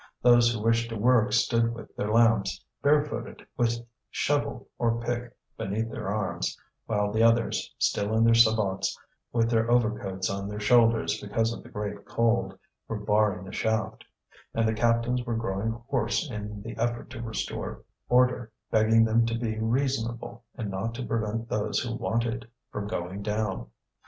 Those who wished to work stood with their lamps, barefooted, with shovel or pick beneath their arms; while the others, still in their sabots, with their overcoats on their shoulders because of the great cold, were barring the shaft; and the captains were growing hoarse in the effort to restore order, begging them to be reasonable and not to prevent those who wanted from going down.